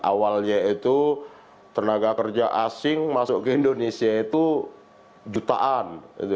awalnya itu tenaga kerja asing masuk ke indonesia itu jutaan